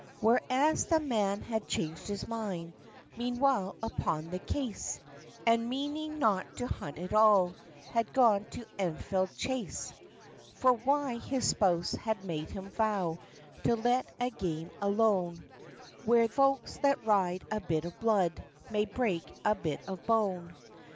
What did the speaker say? Whereas the man had changed his mind, Meanwhile upon the case! And meaning not to hunt at all, Had gone to Enfield Chase. For why, his spouse had made him vow To let a game alone, Where folks that ride a bit of blood May break a bit of bone.